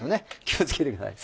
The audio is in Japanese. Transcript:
気を付けてください